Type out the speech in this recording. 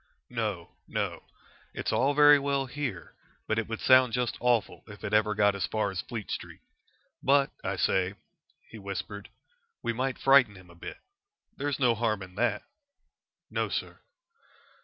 "No, no. It's all very well here, but it would sound just awful if ever it got as far as Fleet Street. But, I say," he whispered, "we might frighten him a bit. There's no harm in that." "No, sir."